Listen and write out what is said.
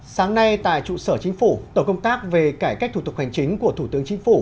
sáng nay tại trụ sở chính phủ tổ công tác về cải cách thủ tục hành chính của thủ tướng chính phủ